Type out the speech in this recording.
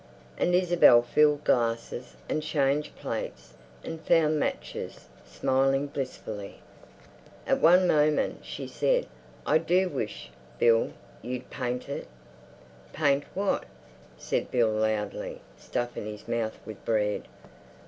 And Isabel filled glasses, and changed plates, and found matches, smiling blissfully. At one moment, she said, "I do wish, Bill, you'd paint it." "Paint what?" said Bill loudly, stuffing his mouth with bread.